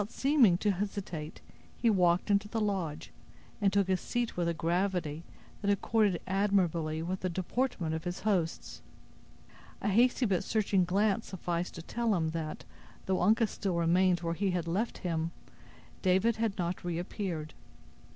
Without seeming to hesitate, he walked into the lodge, and took his seat with a gravity that accorded admirably with the deportment of his hosts. A hasty but searching glance sufficed to tell him that, though Uncas still remained where he had left him, David had not reappeared.